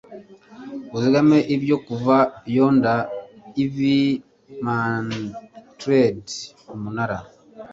Uzigame ibyo kuva yonder ivy-mantled umunara